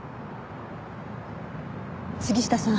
杉下さん